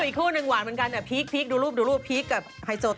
อีกคู่หนึ่งหวานเหมือนกันพีคดูรูปดูรูปพีคกับไฮโซ